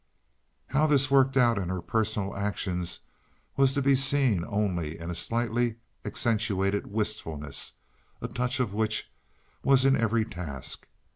How this worked out in her personal actions was to be seen only in a slightly accentuated wistfulness, a touch of which was in every task.